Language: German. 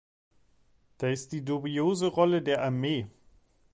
Da ist die dubiose Rolle der Armee.